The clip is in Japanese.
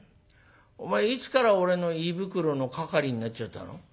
お前いつから俺の胃袋の係になっちゃったの？